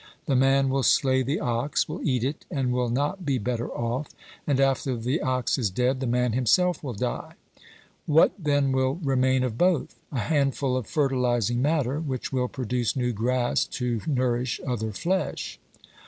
The man will slay the ox, will eat it and will not be better off, and after the ox is dead the man himself will die. What then will remain of both ? A handful of fertilising matter which will produce new grass to nourish other flesh.